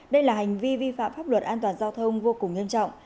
đây là hành vi vi phạm pháp luật an toàn giao thông vô cùng nghiêm trọng